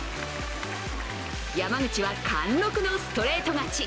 山口は貫禄のストレート勝ち。